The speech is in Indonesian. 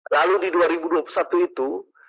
lalu di dua ribu dua puluh satu itu